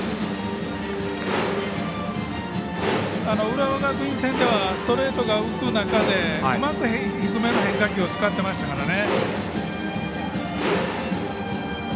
浦和学院戦ではストレートが浮く中でうまく低めの変化球を使ってましたからね。